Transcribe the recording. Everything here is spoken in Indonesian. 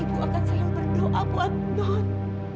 ibu akan selalu berdoa buat don